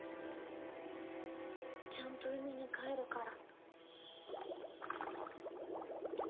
ちゃんと海に帰るから。